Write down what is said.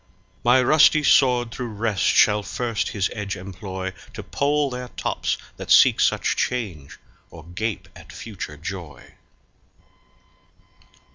My rusty sword through rest shall first his edge employ To poll their tops that seek such change or gape for future joy.